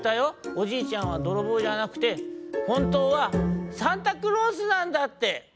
おじいちゃんはどろぼうじゃなくてほんとうはサンタクロースなんだって。